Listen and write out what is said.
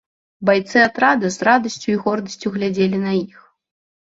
Байцы атрада з радасцю і гордасцю глядзелі на іх.